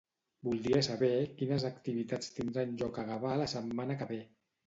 Voldria saber quines activitats tindran lloc a Gavà la setmana que ve.